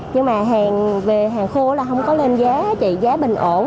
nhưng mà hàng về hàng khô là không có lên giá trị giá bình ổn